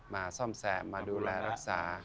ซ่อมแซมมาดูแลรักษา